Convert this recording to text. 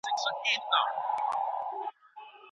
مثبت فکرونه ښه چلند رامنځته کوي.